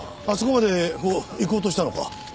あそこまで行こうとしたのか？